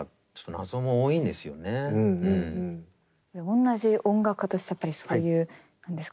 おんなじ音楽家としてやっぱりそういう何ですかね